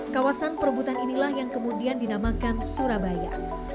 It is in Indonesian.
kawasan perebutan inilah yang kemudian dinamakan surabaya